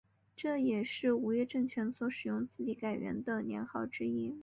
这也是吴越政权所使用的自己改元的年号之一。